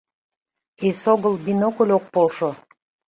Эсогыл бинокль ок полшо.